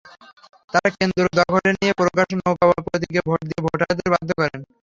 তাঁরা কেন্দ্র দখলে নিয়ে প্রকাশ্যে নৌকা প্রতীকে ভোট দিতে ভোটারদের বাধ্য করেন।